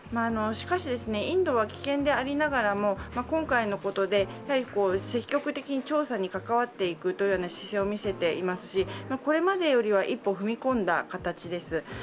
しかし、インドは棄権でありながらも今回のことで積極的に調査に関わっていくというような姿勢を見せていますしこれまでよりは一歩踏み込んだ形です。